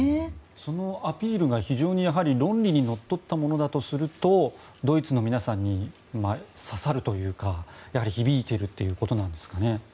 そのアピールが非常に論理にのっとったものだとするとドイツの皆さんに刺さるというか響いているということなんですかね？